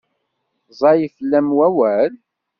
Ẓẓay fell-am wawal?